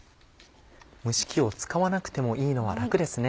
蒸し器を使わなくてもいいのは楽ですね。